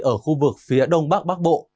ở khu vực phía đông bắc bắc bộ